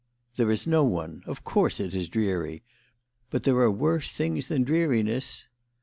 "" There is no one. Of course it is dreary. But there are worse things than dreariness."